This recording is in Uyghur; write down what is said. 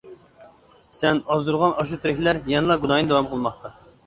سەن ئازدۇرغان ئاشۇ تىرىكلەر يەنىلا گۇناھىنى داۋام قىلماقتا.